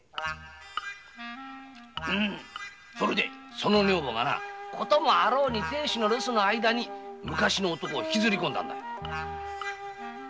その女房がな亭主の留守の間に昔の男を引きずり込んだんだ。